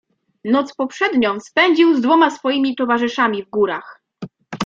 "Noc poprzednią spędził z dwoma swoimi towarzyszami w górach."